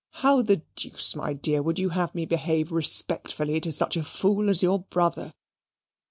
How the deuce, my dear, would you have me behave respectfully to such a fool as your brother?"